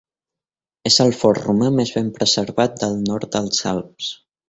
És el fort romà més ben preservat del nord dels Alps.